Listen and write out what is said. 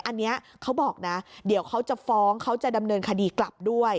อันนี้เขาบอกนะเดี๋ยวเขาจะฟ้องเขาจะดำเนินคดีกลับด้วย